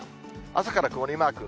朝から曇りマーク。